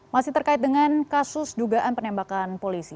masih terkait dengan kasus dugaan penembakan polisi